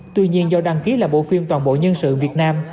tuy nhiên do đăng ký là bộ phim toàn bộ nhân sự việt nam